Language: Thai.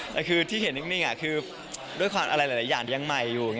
แต่คือที่เห็นนิ่งคือด้วยความอะไรหลายอย่างยังใหม่อยู่